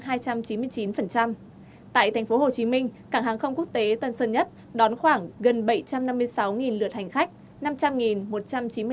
tại thành phố hồ chí minh cảng hàng không quốc tế tân sơn nhất đón khoảng gần bảy trăm năm mươi sáu lượt hành khách